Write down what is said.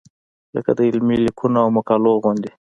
لکه د علمي لیکنو او مقالو غوندې.